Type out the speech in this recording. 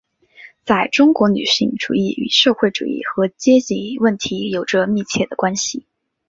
在中国女性主义与社会主义和阶级问题有着密切的关系。